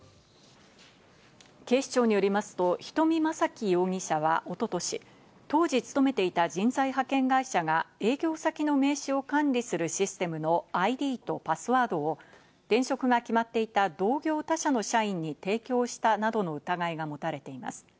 警視庁によりますと、人見正喜容疑者はおととし、当時勤めていた人材派遣会社が営業先の名刺を管理するシステムのＩＤとパスワードを転職が決まっていた同業他社の社員に提供したなどの疑いが持たれています。